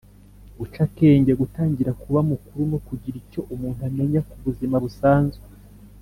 guca akenge: gutangira kuba mukuru no kugira icyo umuntu amenya ku buzima busanzwe